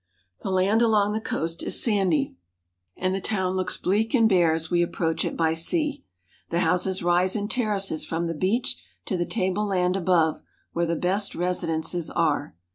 The land along the coast is sandy, and the town looks bleak and bare as we approach it by sea. The houses rise in terraces from the beach to the tableland above, where the best residences are.